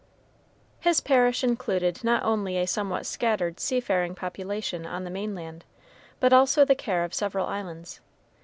His parish included not only a somewhat scattered seafaring population on the mainland, but also the care of several islands.